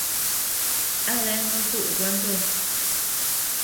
¿A denud duʼu gua ndo?